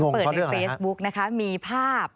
เปิดในเฟซบุ๊คนะคะมีภาพ